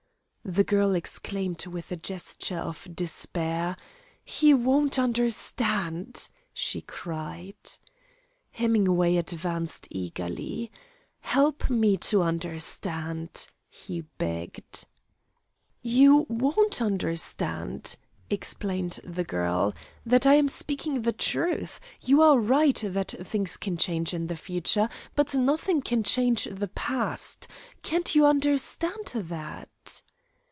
The girl exclaimed with a gesture of despair. "He won't understand!" she cried. Hemingway advanced eagerly. "Help me to understand," he begged. "You won't understand," explained the girl, "that I am speaking the truth. You are right that things can change in the future, but nothing can change the past. Can't you understand that?"